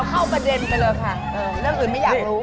เข้าประเด็นไปเลยค่ะเรื่องอื่นไม่อยากรู้